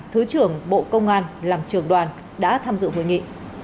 thứ trưởng bộ công an làm trường đoàn đã tham dự hội nghị